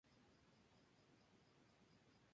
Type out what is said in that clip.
En La Paz, Bolivia, estudio el idioma quechua.